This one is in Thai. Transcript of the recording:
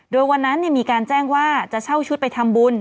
โดยวันนั้นมีการแจ้งว่าจะเช่าชุดไปทำบุญ